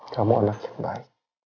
kamu anak yang baik